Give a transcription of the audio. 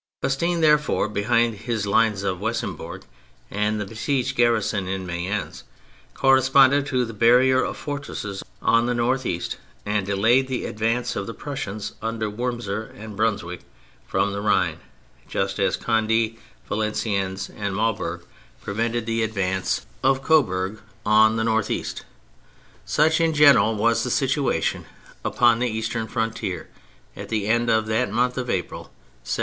Custine, therefore, behind his Lines of Weissembourg, and the besieged garrison in Mayence, correspond to the barrier of fortresses on the north east and delayed the advance of the Prussians under Wurmser and Brunswick from the Rhine, just as Conde, Valenciennes, and Maubeuge prevented the advance of \ THE MILITARY ASPECT 179 Coburg on the north east. Such in general was the situation upon the eastern frontier at the end of that month of April, 1793.